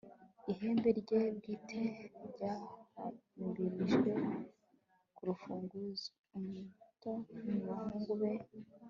ihembe rye bwite, ryahambirijwe ku rufunzo. umuto mu bahungu be